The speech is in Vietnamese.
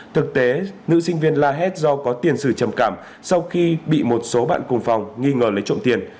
thực tế nữ sinh viên la hét do có tiền sử trầm cảm sau khi bị một số bạn cùng phòng nghi ngờ lấy trộm tiền